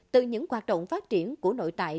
từ những hoạt động phát triển của nội tại